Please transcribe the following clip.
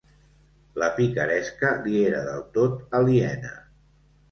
La picaresca li era del tot aliena.